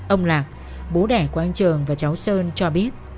ông lạc bố đẻ của anh trường và cháu sơn cho biết